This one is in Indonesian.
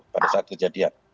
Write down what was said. pada saat kejadian